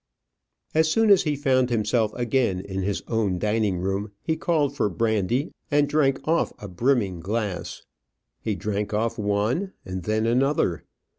As soon as he found himself again in his own dining room, he called for brandy, and drank off a brimming glass; he drank off one, and then another.